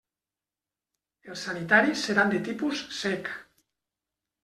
Els sanitaris seran de tipus sec.